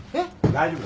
大丈夫。